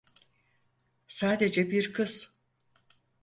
Sadece bir kız.